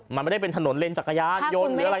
มันไม่ได้เป็นถนนเลนจักรยานยนต์หรืออะไร